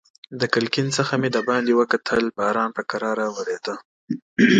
له کړکۍ نه مې بهر وکتل، باران په کراره وریده.